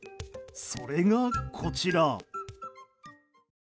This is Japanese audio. それが、こちら。